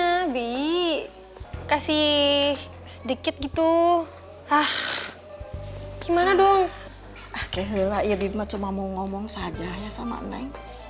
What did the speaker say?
nabi kasih sedikit gitu ah gimana dong oke lelah ya bima cuma mau ngomong saja ya sama neng